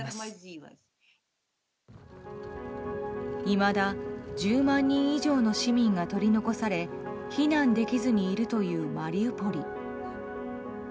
いまだ１０万人以上の市民が取り残され避難できずにいるというマリウポリ。